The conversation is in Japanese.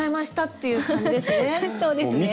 そうですね。